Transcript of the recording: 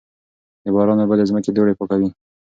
د باران اوبه د ځمکې دوړې پاکوي.